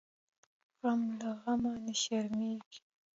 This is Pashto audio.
غم له غمه نه شرمیږي .